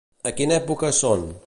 A quina època són?